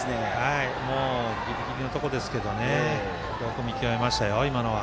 ギリギリのところですけどねよく見極めましたよ、今のは。